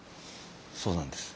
そうなんです。